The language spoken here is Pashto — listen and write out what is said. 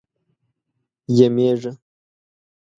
یمېږه.